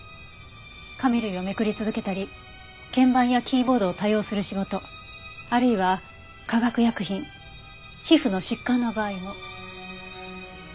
紙類をめくり続けたり鍵盤やキーボードを多用する仕事あるいは化学薬品皮膚の疾患の場合も。